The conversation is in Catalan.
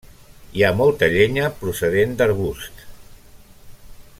Hi ha molta llenya procedent d'arbusts.